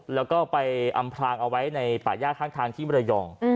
แล้วก็ไปอำพลางเอาไว้ในป่าย่าข้างทางที่มรยอง